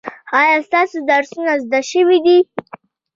ایا ستاسو درسونه زده شوي دي؟